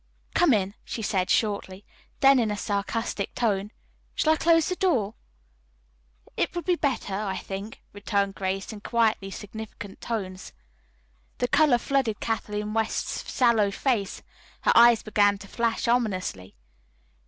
"Come in," she said shortly, then in a sarcastic tone, "Shall I close the door?" "It would be better, I think," returned Grace in quietly significant tones. The color flooded Kathleen West's sallow face. Her eyes began to flash ominously.